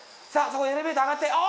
そこでエレベーター上がってお。